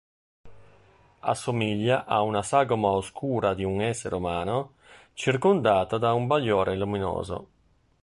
Assomiglia a una sagoma oscura di un essere umano, circondata da un bagliore luminoso.